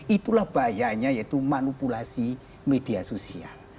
itulah bahayanya yaitu manipulasi media sosial